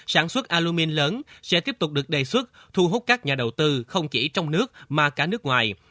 sản xuất alumin lớn sẽ tiếp tục được đề xuất thu hút các nhà đầu tư không chỉ trong nước mà cả nước ngoài